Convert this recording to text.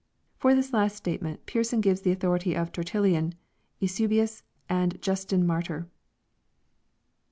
For this last state ment Pearson gives the authority of Tertullian, Eusebius, and Justin Martyr.